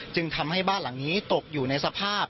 จึงทำให้บ้านหลังนี้ตกอยู่ในสภาพ